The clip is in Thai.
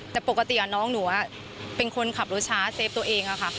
แต่ปกติน้องหนูเป็นคนขับรถช้าเซฟตัวเองค่ะ